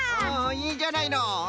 いいじゃないの！